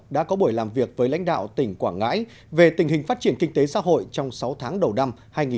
đã có buổi làm việc với lãnh đạo tỉnh quảng ngãi về tình hình phát triển kinh tế xã hội trong sáu tháng đầu năm hai nghìn một mươi chín